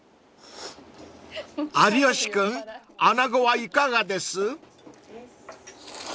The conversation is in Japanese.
［有吉君穴子はいかがです？］